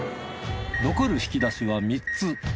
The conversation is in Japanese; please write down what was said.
残る引き出しは３つ。